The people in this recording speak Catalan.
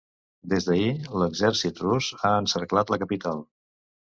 Des d’ahir, l’exèrcit rus ha encerclat la capital.